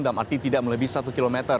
dalam arti tidak melebih satu km